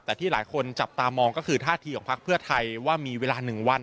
แต่ที่หลายคนจับตามองก็คือท่าทีของพักเพื่อไทยว่ามีเวลา๑วัน